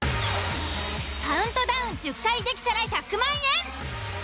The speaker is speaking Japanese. カウントダウン１０回できたら１００万円！